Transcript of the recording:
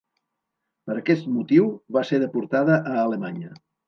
Per aquest motiu, va ser deportada a Alemanya.